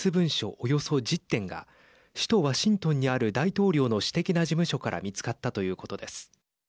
およそ１０点が首都ワシントンにある大統領の私的な事務所から見つかったということです。